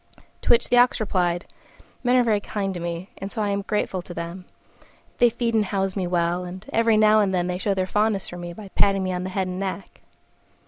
To which the Ox replied, "Men are very kind to me, and so I am grateful to them: they feed and house me well, and every now and then they show their fondness for me by patting me on the head and neck."